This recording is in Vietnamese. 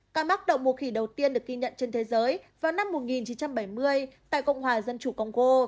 ca mắc đậu mùa khỉ đầu tiên được ghi nhận trên thế giới vào năm một nghìn chín trăm bảy mươi tại cộng hòa dân chủ công cô